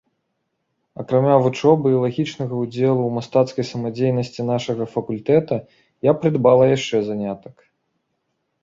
Акрамя вучобы і лагічнага ўдзелу ў мастацкай самадзейнасці нашага факультэта, я прыдбала яшчэ занятак.